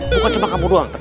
bukan cuma kamu doang